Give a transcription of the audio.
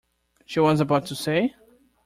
She was about to say?